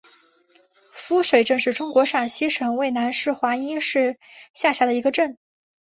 夫水镇是中国陕西省渭南市华阴市下辖的一个镇。